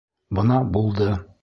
Бына булды!